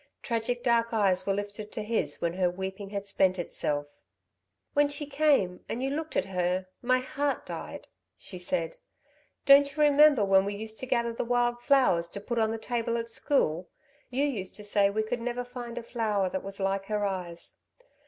Tragic dark eyes were lifted to his when her weeping had spent itself. "When she came and you looked at her, my heart died," she said. "Don't you remember when we used to gather the wild flowers to put on the table at school, you used to say we could never find a flower that was like her eyes.